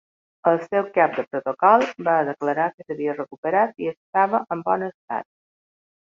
El seu cap de protocol va declarar que s'havia recuperat i estava en bon estat.